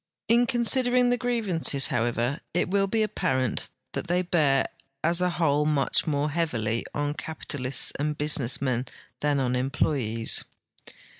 In consid ering the grievances, however, it will be ap})arent that they bear as a whole much more heavily on capitalists and business men than on em})loyes.